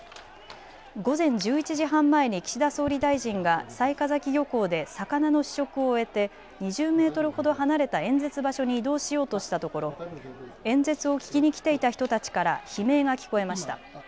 午前１１時半前に岸田総理大臣が雑賀崎漁港で魚の試食を終えて２０メートルほど離れた演説場所に移動しようとしたところ演説を聞きに来ていた人たちから悲鳴が聞こえました。